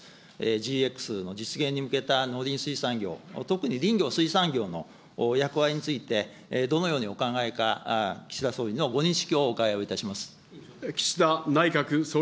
ＧＸの実現に向けた農林水産業、特に林業、水産業の役割について、どのようにお考えか、岸田総理のご認識をお伺いをいたします。